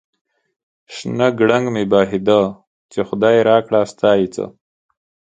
شنه گړنگ مې بهيده ، چې خداى راکړه ستا يې څه ؟